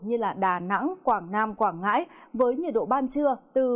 như đà nẵng quảng nam quảng ngãi với nhiệt độ ban trưa